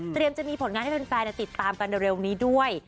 เตรียมจะมีผลงานให้เป็นแฟนติดตามกันเร็วนี้ด้วย